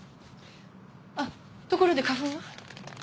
あっところで花粉は？